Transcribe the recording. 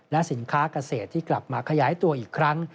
และสินค้าเกษตรที่กลับมาขยายตัวอีกครั้ง